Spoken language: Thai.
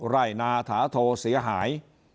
ไร่นาถาโทเสียหาย